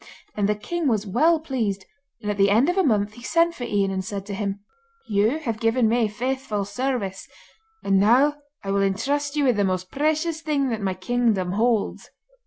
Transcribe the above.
And the king was well pleased, and at the end of a month he sent for Ian and said to him: 'You have given me faithful service, and now I will entrust you with the most precious thing that my kingdom holds.